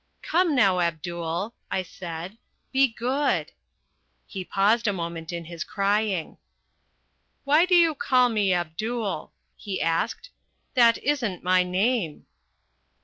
"Come, now, Abdul," I said, "be good!" He paused a moment in his crying "Why do you call me Abdul?" he asked. "That isn't my name."